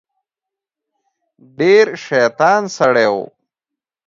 ډیر شیطان سړی و.